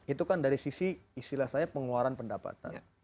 itu kan dari sisi istilah saya pengeluaran pendapatan